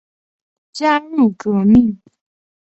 加入民革。